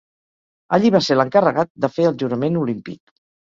Allí va ser l'encarregat de fer el jurament olímpic.